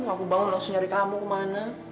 aku bawa langsung nyari kamu kemana